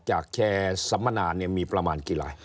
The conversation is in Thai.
จากแชร์สัมมนาเนี่ยมีประมาณกี่ลาย